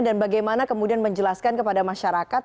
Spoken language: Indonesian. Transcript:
dan bagaimana kemudian menjelaskan kepada masyarakat